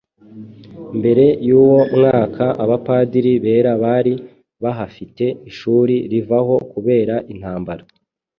mbere y'uwo mwaka Abapadiri bera bari bahafite ishuri rivaho kubera intambara.